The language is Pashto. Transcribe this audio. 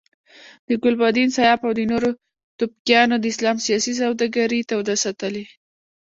د ګلبدین، سیاف او نورو توپکیانو د اسلام سیاسي سوداګري توده ساتلې.